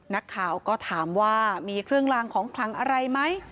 นักข่าวก็ถามว่ามีเครื่องลางของคลังอะไรไหม